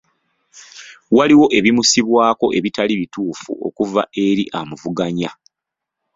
Waliwo ebimusibwako ebitali bituufu okuva eri amuvuganya.